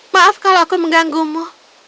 maaf kalau aku mengganggumu